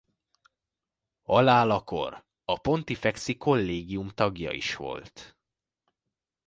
Halálakor a pontifexi collegium tagja is volt.